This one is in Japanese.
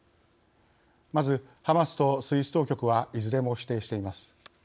まず、ハマスとスイス当局はいずれも否定しています。